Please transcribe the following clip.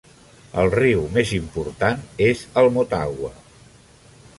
El riu més important és el Motagua.